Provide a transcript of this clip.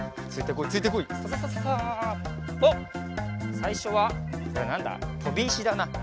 あっさいしょはこれはなんだ？とびいしだな。